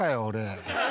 俺。